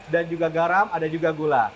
dan juga garam ada juga gula